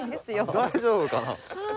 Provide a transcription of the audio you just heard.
大丈夫かな？